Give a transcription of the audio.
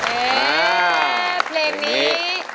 เฮ้เพลงนี้